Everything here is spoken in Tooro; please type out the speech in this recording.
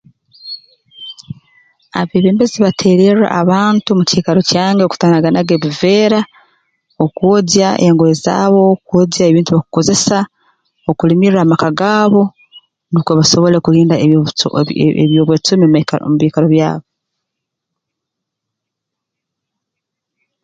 Abeebembezi bateererra abantu omu kiikaro kyange kutanaga naga ebiveera okwogya engoye zaabo kwogya ebintu bakukozesa okulimirra amaka gaabo nukwo basobole kulinda ebi ebicu eby'obwecumi omu biika omu biikaro byabo